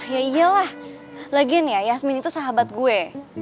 ya iyalah lagian ya yasmin itu sahabat gue